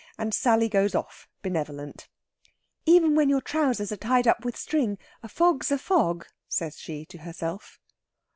And Sally goes off, benevolent. "Even when your trousers are tied up with string, a fog's a fog," says she to herself.